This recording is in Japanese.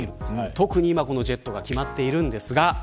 特に今、このジェットが決まっているんですが。